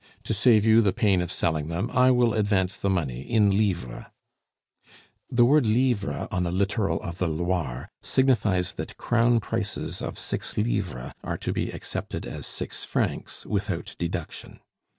"To save you the pain of selling them, I will advance the money in livres." The word livres on the littoral of the Loire signifies that crown prices of six livres are to be accepted as six francs without deduction.